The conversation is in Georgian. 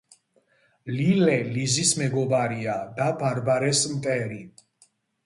ლილე ლიზის მეგობარია და ბარბარეს მტერი